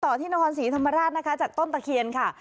ที่นครศรีธรรมราชนะคะจากต้นตะเคียนค่ะ